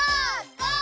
ゴー！